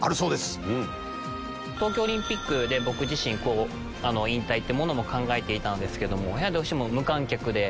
東京オリンピックで僕自身引退ってものも考えていたんですけどもどうしても無観客で。